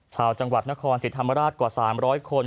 ชาวจังหวัดนครศรีธรรมราชกว่า๓๐๐คน